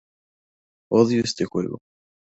Odio este juego.